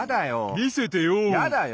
みせてよ！